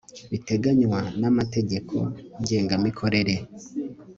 biteganywa n amategeko ngengamikorere